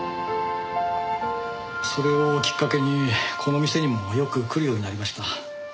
それをきっかけにこの店にもよく来るようになりました。